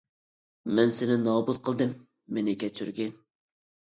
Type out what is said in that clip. مەن سىنى نابۇت قىلدىم. مېنى كەچۈرگىن!